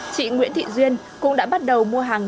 chị nguyễn thị duyên cũng đã bắt đầu mua hàng